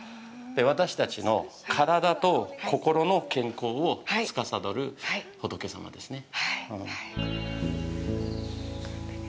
私たちの体と心の健康を司る仏様ですね。